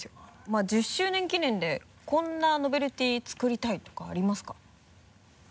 まぁ１０周年記念でこんなノベルティ作りたいとかありますか？